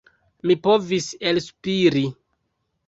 Mi povis elspiri.